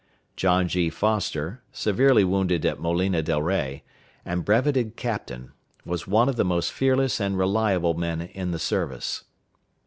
John G. Foster, severely wounded at Molino del Rey, and brevetted captain, was one of the most fearless and reliable men in the service.